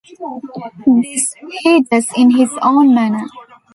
This he does in his own manner.